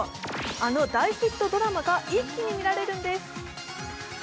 あの大ヒットドラマが一気に見られるんです。